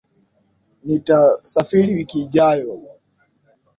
Nitasafiri wiki ijayo